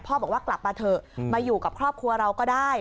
บอกว่ากลับมาเถอะมาอยู่กับครอบครัวเราก็ได้